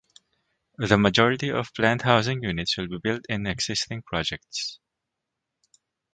The majority of planned housing units will be built in existing projects.